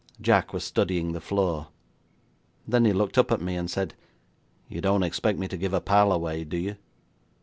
Jack was studying the floor. Then he looked up at me and said: 'You don't expect me to give a pal away, do you?'